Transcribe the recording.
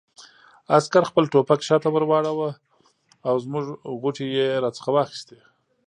عسکر خپل ټوپک شاته واړاوه او زموږ غوټې یې را څخه واخیستې.